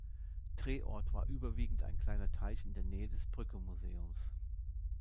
Drehort war überwiegend ein kleiner Teich in der Nähe des Brücke-Museums.